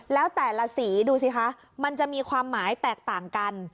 แล้วแต่ละสีดูสิคะมันจะมีความหมายแตกต่างกัน